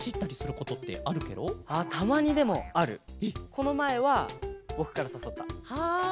このまえはぼくからさそった！はあ